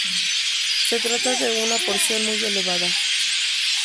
Se trata de una porción muy elevada.